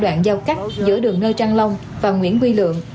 đoạn giao cắt giữa đường nơ trăng long và nguyễn quy lượng